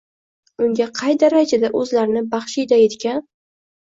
Unga qay darajada o‘zlarini baxshida etgan